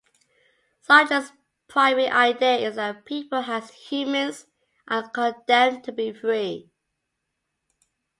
Sartre's primary idea is that people, as humans, are "condemned to be free".